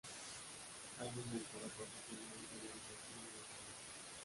Álbumes para profesionales de la educación y la salud.